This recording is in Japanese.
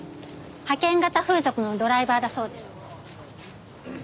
派遣型風俗のドライバーだそうです。